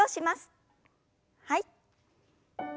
はい。